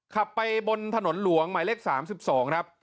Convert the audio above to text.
ขับไปบนถนนหลวงหมายเลขสามสิบสองครับ